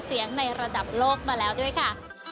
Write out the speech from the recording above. ในระดับโลกมาแล้วด้วยค่ะ